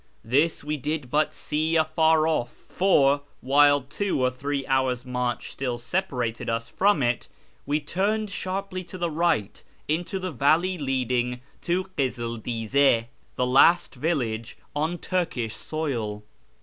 This we did but see afar off, for, while two or three hours' march still separated us from it, we turned sharply to the right into the valley leading to Kizil Dize, the last village on Turkish soil.